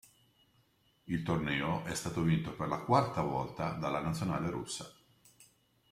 Il torneo è stato vinto per la quarta volta dalla nazionale russa.